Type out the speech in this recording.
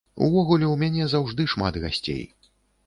Увогуле ў мяне заўжды шмат гасцей.